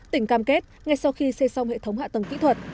tỉnh cam kết ngay sau khi xây xong hệ thống hạ tầng kỹ thuật